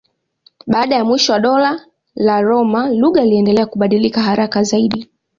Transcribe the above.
Baada ya mwisho wa Dola la Roma lugha iliendelea kubadilika haraka zaidi.